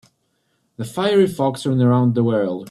The fiery fox ran around the world.